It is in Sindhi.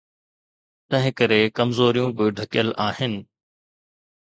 تنهنڪري ڪمزوريون به ڍڪيل آهن.